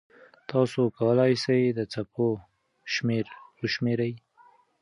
تاسو کولای سئ د څپو شمېر وشمېرئ.